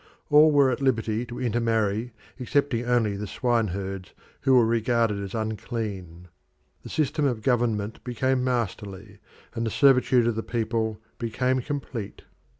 All were at liberty to intermarry, excepting only the swineherds, who were regarded as unclean. The system of government became masterly, and the servitude of the people became complete.